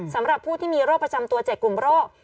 สำหรับผู้ที่มีโรคประจำตัว๗กลุ่มโรค